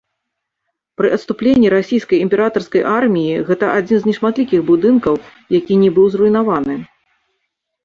Пры адступленні расійскай імператарскай арміі гэта адзін з нешматлікіх будынкаў, які не быў зруйнаваны.